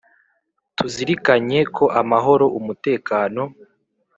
Tuzirikanye ko amahoro umutekano